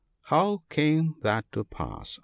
" How came that to pass ?